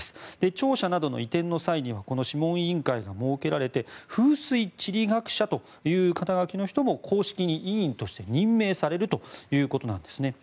庁舎などの移転の際にはこの諮問委員会が設けられて風水地理学者という肩書の人も公式に委員として任命されるということなんですね。